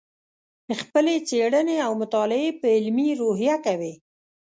خپلې څېړنې او مطالعې په علمي روحیه کوې.